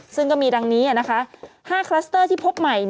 ซึ่งก็มีดังนี้๕คลัสเตอร์ที่พบใหม่